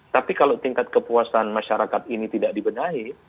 tapi kalau tingkat kepuasan masyarakat ini tidak dibenahi